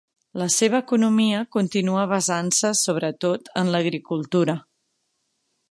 La seva economia continua basant-se, sobre tot, en l'agricultura.